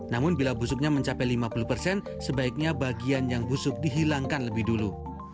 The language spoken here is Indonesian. namun bila busuknya mencapai lima puluh persen sebaiknya bagian yang busuk dihilangkan lebih dulu